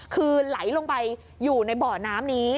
คือไหลลงไปอยู่ในบ่อน้ำนี้